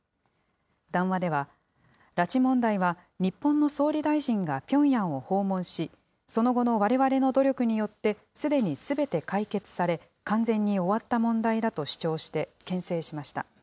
談話では、拉致問題は日本の総理大臣がピョンヤンを訪問し、その後のわれわれの努力によってすでにすべて解決され、完全に終わった問題だと主張して、けん制しました。